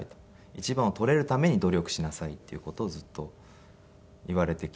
「１番を取れるために努力しなさい」っていう事をずっと言われてきて。